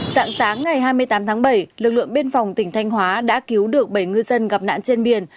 dạng sáng ngày hai mươi tám tháng bảy lực lượng biên phòng tỉnh thanh hóa đã cứu được bảy ngư dân gặp nạn trên biển